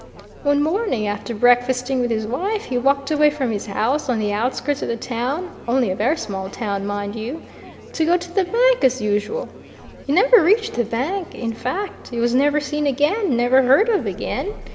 One morning, after breakfasting with his wife, he walked away from his house, on the outskirts of the town only a very small town, mind you to go to the bank, as usual. He never reached the bank in fact, he was never seen again, never heard of again.